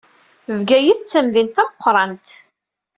Bgayet d tamdint tameqqṛant.